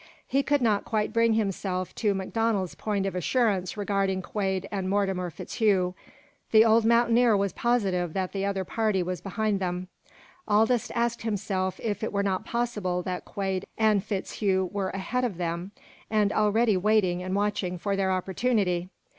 He could not quite bring himself to MacDonald's point of assurance regarding Quade and Mortimer FitzHugh. The old mountaineer was positive that the other party was behind them. Aldous asked himself if it were not possible that Quade and FitzHugh were ahead of them, and already waiting and watching for their opportunity.